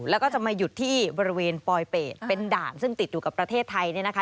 แล้วก็จะมาหยุดที่บริเวณปลอยเป็ดเป็นด่านซึ่งติดอยู่กับประเทศไทยเนี่ยนะคะ